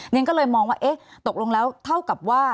เรียนก็เลยมองว่าตกลงแล้วเท่ากับว่า